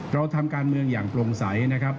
เราทำการเมืองอย่างโปร่งใสนะครับ